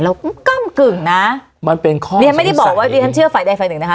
เราก็กั้มกึ่งนะมันเป็นข้อตรงใสเรียนไม่ได้บอกว่าเรียนเชื่อฝ่ายใดฝ่ายหนึ่งนะคะ